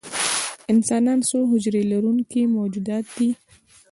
انسانان څو حجرې لرونکي موجودات دي